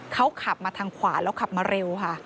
เขาขับมาทางขวาแล้วขับมาเร็วค่ะ